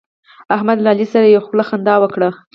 احمد له علي سره یوه خوله خندا وکړه.